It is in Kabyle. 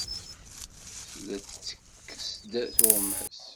Tella tettekkes-d tuɣmas.